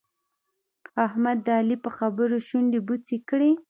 احمد د علي په خبرو شونډې بوڅې کړې.